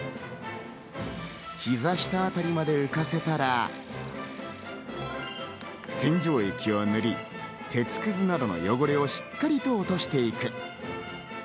ひざ下あたりまで浮かせたら、洗浄液を塗り、鉄クズなどの汚れをしっかりと落としていく。